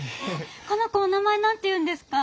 この子お名前何ていうんですか？